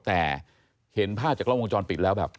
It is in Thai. แต่เห็นภาพจากกล้องวงจรปิดแล้วแบบ